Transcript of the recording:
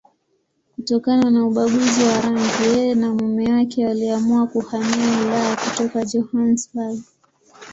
Kutokana na ubaguzi wa rangi, yeye na mume wake waliamua kuhamia Ulaya kutoka Johannesburg.